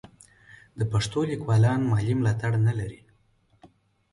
د پښتو لیکوالان مالي ملاتړ نه لري.